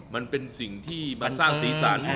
มันเป็นสิ่งที่มาสร้างสีสันให้